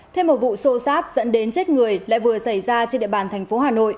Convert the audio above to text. thêm một vụ sô sát dẫn đến chết người lại vừa xảy ra trên địa bàn tp hcm